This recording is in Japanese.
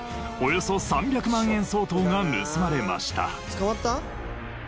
捕まった？